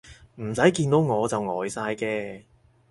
唔使見到我就呆晒嘅